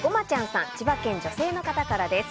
千葉県、女性の方からです。